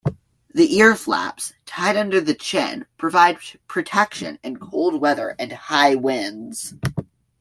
The earflaps, tied under the chin, provide protection in cold weather and high winds.